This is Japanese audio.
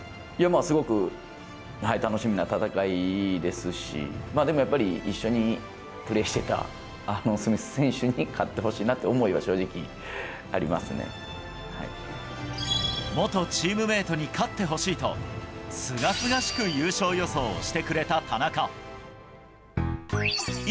すごく楽しみな戦いですし、まあでもやっぱり、一緒にプレーしてたスミス選手に勝ってほしいなっていう思いは正元チームメートに勝ってほしいと、すがすがしく優勝予想をしてくれた田中。